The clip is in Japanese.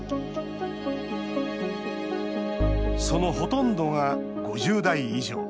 そのほとんどが５０代以上。